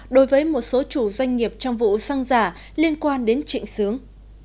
đối với một số chủ doanh nghiệp trong vụ xăng giả liên quan đến trịnh sướng